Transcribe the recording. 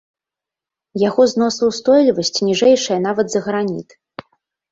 Яго зносаўстойлівасць ніжэйшая нават за граніт.